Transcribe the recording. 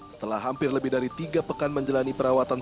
setelah hampir lebih dari tiga pekan menjalani perawatan